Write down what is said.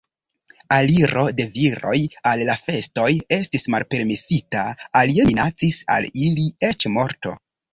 Aliro de viroj al la festoj estis malpermesita, alie minacis al ili eĉ morto.